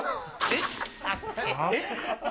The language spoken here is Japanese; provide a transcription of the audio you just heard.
えっ？